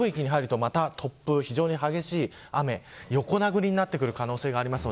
暴風域に入ると、また突風が非常に激しい雨が横殴りになる可能性があります。